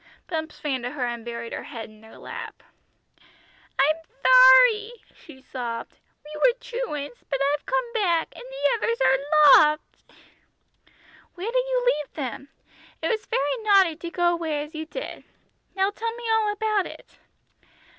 Bumps ran to her and buried her head in her lap. "I'm thorry," she sobbed. "We were truants, but I've come back, and the others are lotht!" "Where did you leave them? It was very naughty to go away as you did. Now tell me all about it."